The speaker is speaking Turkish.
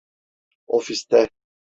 Ofiste.